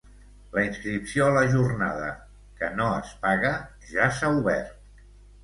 La inscripció a la Jornada, que no es paga, ja s'ha obert.